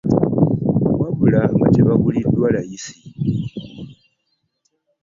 Wabula nga tebaguliddwa layisi.